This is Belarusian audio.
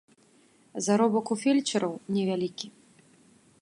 Заробак у фельчараў невялікі.